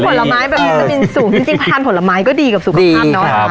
แบบมีลัมนีนสูงจริงจริงทานผลไม้ก็ดีกว่าสุขภาพเนอะ